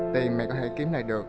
tiền mày có thể kiếm lại được